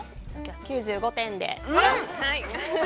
◆９５点で。